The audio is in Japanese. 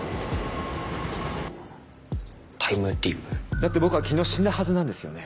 だって僕は昨日死んだはずなんですよね？